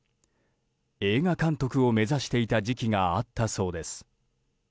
映画監督を目指していた時期があったそうです。